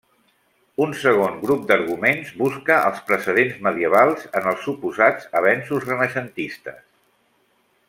Un segon grup d'arguments busca els precedents medievals en els suposats avenços renaixentistes.